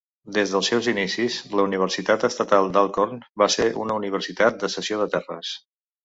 Des dels seus inicis, la Universitat Estatal d'Alcorn va ser una universitat de cessió de terres.